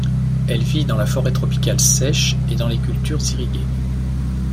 Elle vit dans la forêt tropicale sèche et dans les cultures irriguées.